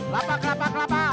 lapa kelapa kelapa